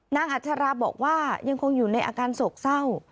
อัชราบอกว่ายังคงอยู่ในอาการโศกเศร้า